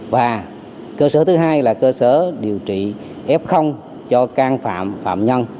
và cơ sở thứ hai là cơ sở điều trị f cho can phạm phạm nhân